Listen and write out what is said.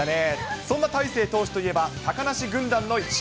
そんな大勢投手といえば、高梨軍団の一員。